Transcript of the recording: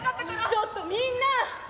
ちょっとみんな！